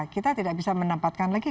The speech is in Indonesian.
kita tidak bisa menampatkan lagi